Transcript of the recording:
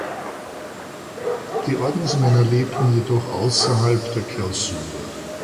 Die Ordensmänner lebten jedoch außerhalb der Klausur.